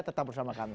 tetap bersama kami